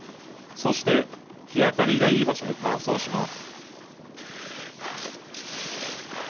そして、日当たりがいい場所で乾燥します。